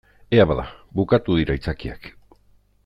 Ea bada, bukatu dira aitzakiak.